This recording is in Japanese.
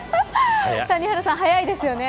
谷原さん、早いですよね。